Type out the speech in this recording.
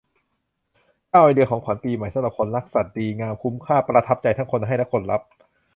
เก้า ไอเดียของขวัญปีใหม่สำหรับคนรักสัตว์ ดีงาม คุ้มค่า ประทับใจทั้งคนให้และคนรับ